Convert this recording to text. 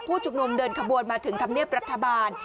ชุมนุมเดินขบวนมาถึงธรรมเนียบรัฐบาล